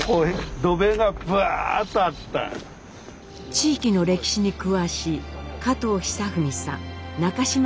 地域の歴史に詳しい加藤久芳さん